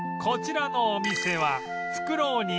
こちらのお店は